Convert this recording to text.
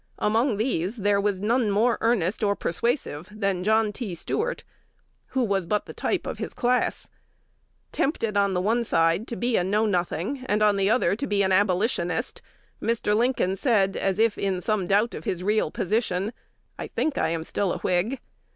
Among these there was none more earnest or persuasive than John T. Stuart, who was but the type of a class. Tempted on the one side to be a Know Nothing, and on the other side to be an Abolitionist, Mr. Lincoln said, as if in some doubt of his real position, "I think I am still a Whig."